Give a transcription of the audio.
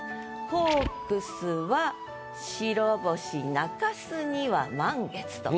「ホークスは白星中州には満月」と。